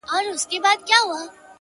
بل به څوك وي زما په شان داسي غښتلى٫